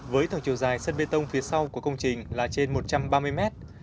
với tổng chiều dài sân bê tông phía sau của công trình là trên một trăm ba mươi mét